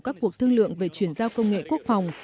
các cuộc thương lượng về chuyển giao công nghệ quốc phòng